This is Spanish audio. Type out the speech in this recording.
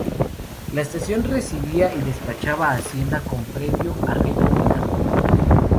La Estación recibía y despachaba hacienda con previo arreglo únicamente.